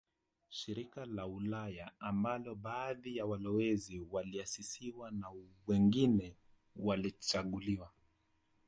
Shirika la Ulaya ambalo baadhi ya walowezi waliasisiwa na wengine walichaguliwa